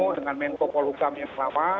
dengan menko polhukam yang sama